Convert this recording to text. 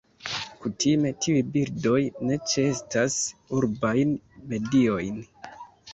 Kutime, tiuj birdoj ne ĉeestas urbajn mediojn.